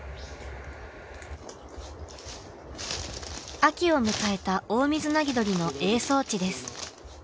秋を迎えたオオミズナギドリの営巣地です。